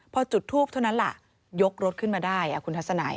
พอจุดทูปเท่านั้นล่ะยกรถขึ้นมาได้คุณทัศนัย